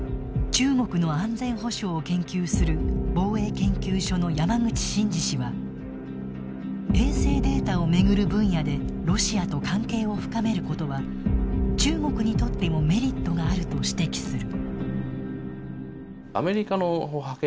中国の安全保障を研究する防衛研究所の山口信治氏は衛星データをめぐる分野でロシアと関係を深めることは中国にとってもメリットがあると指摘する。